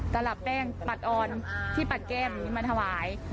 สระแป้งปัดอ่อนที่ปัดแก้มมาถวาย